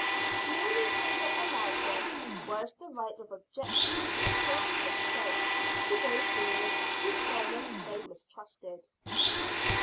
The only favor allowed them was the right of objecting to a certain extent to those jurors whose fairness they mistrusted.